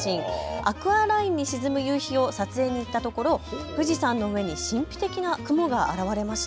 アクアラインに沈む夕日を撮影に行ったところ富士山の上に神秘的な雲が現れました。